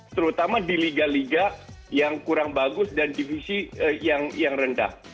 terutama di liga liga yang kurang bagus dan divisi yang rendah